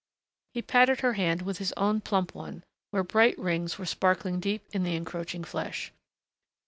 He patted her hand with his own plump one where bright rings were sparkling deep in the encroaching flesh.